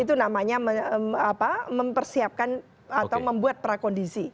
itu namanya mempersiapkan atau membuat prakondisi